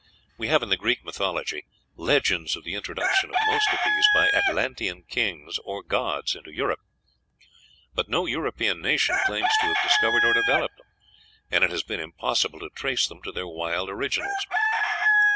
We have in the Greek mythology legends of the introduction of most of these by Atlantean kings or gods into Europe; but no European nation claims to have discovered or developed them, and it has been impossible to trace them to their wild originals.